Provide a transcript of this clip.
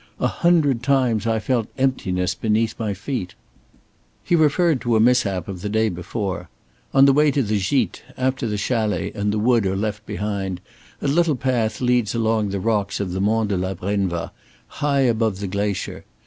"A hundred times I felt emptiness beneath my feet." He referred to a mishap of the day before. On the way to the gîte after the chalets and the wood are left behind, a little path leads along the rocks of the Mont de la Brenva high above the glacier.